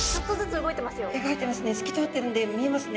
動いてますね。